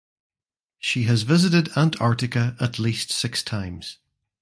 She has visited Antarctica at least six times.